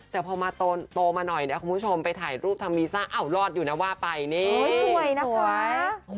แต่พอมาโตมาหน่อยเนี่ยคุณผู้ชมไปถ่ายรูปทำวีซ่าอ้าวรอดอยู่นะว่าไปนี่สวยนะคะ